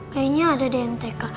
kayaknya ada di mtk